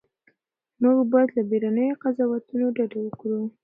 موږ باید له بیړنیو قضاوتونو ډډه وکړو.